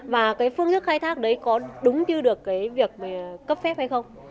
và cái phương thức khai thác đấy có đúng như được cái việc cấp phép hay không